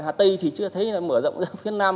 hà tây thì chưa thấy là mở rộng ra phía nam